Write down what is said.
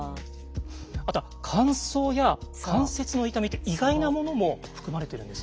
あとは乾燥や関節の痛みって意外なものも含まれているんですね。